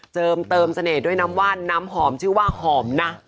เติมเติมเสน่ห์ด้วยน้ำว่านน้ำหอมชื่อว่าหอมนะ